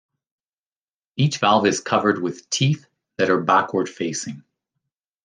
Each valve is covered with teeth that are backward-facing.